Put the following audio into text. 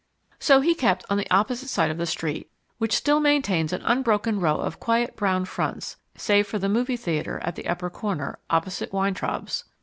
So he kept on the opposite side of the street, which still maintains an unbroken row of quiet brown fronts, save for the movie theatre at the upper corner, opposite Weintraub's.